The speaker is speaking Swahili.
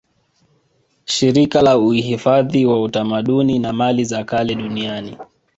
Shirika la uifadhi wa tamaduni na mali za kale Duniani